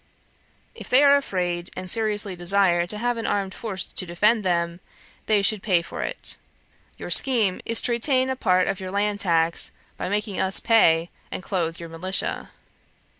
If they are afraid, and seriously desire to have an armed force to defend them, they should pay for it. Your scheme is to retain a part of your land tax, by making us pay and clothe your militia.'